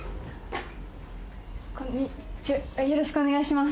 こんにちよろしくお願いします